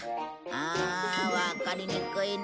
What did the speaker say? ああわかりにくいなあ。